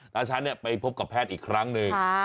ราชันเนี่ยไปพบกับแพทย์อีกครั้งหนึ่ง